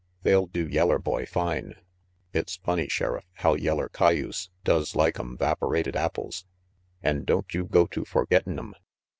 They'll do yeller boy fine. It's funny, Sheriff, how yeller cayuse does like 'em 'vaporated apples and don't you go to forgettin' 'em."